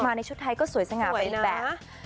ในชุดไทยก็สวยสง่าไปแบบ